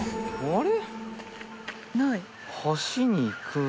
あれ？